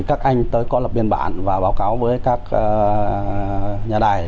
các anh tới có lập biên bản và báo cáo với các nhà đài